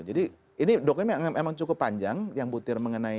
jadi ini dokumen memang cukup panjang yang butir mengenai